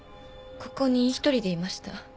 ここに一人でいました。